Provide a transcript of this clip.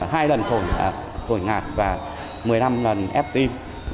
hai lần khổi ngạt và một mươi năm lần ép tim